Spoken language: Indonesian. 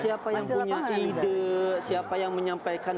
siapa yang punya ide siapa yang menyampaikan